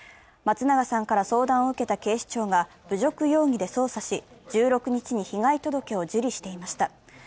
松永さんから相談を受けた警視庁が、侮辱容疑で捜査し、１６日に被害届を受理していました。